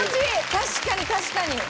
確かに確かに！